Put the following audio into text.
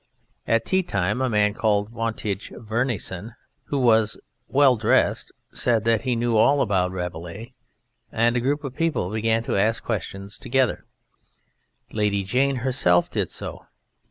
At tea time a man called Wantage Verneyson, who was well dressed, said that he knew all about Rabelais, and a group of people began to ask questions together: Lady Jane herself did so.